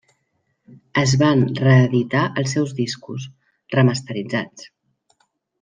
Es van reeditar els seus discos, remasteritzats.